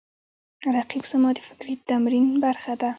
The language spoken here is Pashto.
رقیب زما د فکري تمرین برخه ده